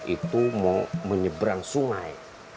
itu mau menyeberang sungai